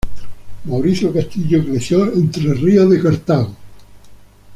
Mauricio Castillo creció en Tres Ríos de Cartago.